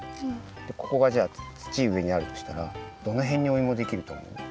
ここがじゃあ土上にあるとしたらどのへんにおいもできるとおもう？